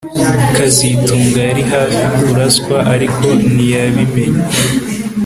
kazitunga yari hafi kuraswa ariko ntiyabimenya